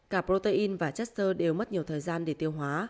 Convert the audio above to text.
cả protein và chất sơ đều mất nhiều thời gian để tiêu hóa